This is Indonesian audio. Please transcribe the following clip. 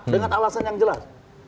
dengan alasan yang jelas